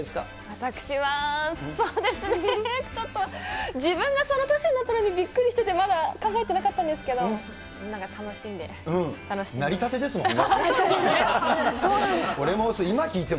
私は、そうですね、ちょっと、自分がその年になったのにびっくりしてて、まだ考えてなかったんなりたてですもんね。